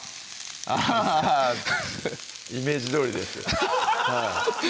あイメージどおりです